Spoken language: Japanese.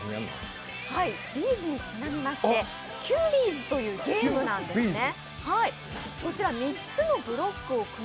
’ｚにちなみまして、キュービーズというゲームなんですね。